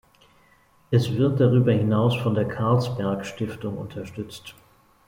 Es wird darüber hinaus von der Carlsberg-Stiftung unterstützt.